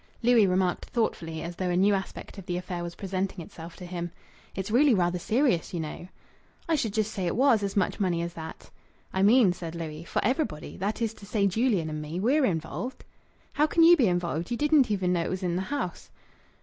Louis remarked, thoughtfully, as though a new aspect of the affair was presenting itself to him "It's really rather serious, you know!" "I should just say it was as much money as that!" "I mean," said Louis, "for everybody. That is to say, Julian and me. We're involved." "How can you be involved? You didn't even know it was in the house."